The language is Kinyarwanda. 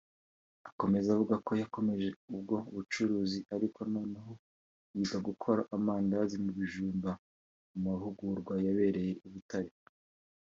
Akomeza avuga ko yakomeje ubwo bucuruzi ariko noneho yiga gukora amandazi mu bijumba mu mahugurwa yabereye i Butare